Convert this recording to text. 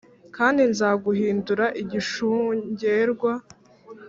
kandi nzaguhindura igishungerwa.